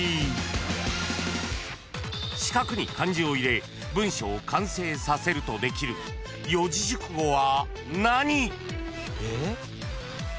［四角に漢字を入れ文章を完成させるとできる四字熟語は何？］